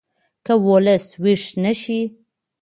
که ولس ویښ نه شي